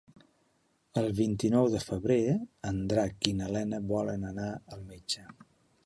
El vint-i-nou de febrer en Drac i na Lena volen anar al metge.